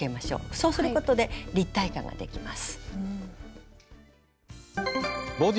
そうすることで立体感ができます。